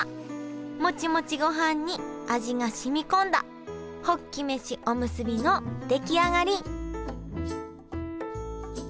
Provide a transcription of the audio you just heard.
モチモチごはんに味がしみこんだホッキ飯おむすびの出来上がり！